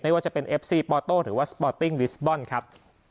ว่าจะเป็นเอฟซีปอโต้หรือว่าสปอร์ตติ้งลิสบอลครับ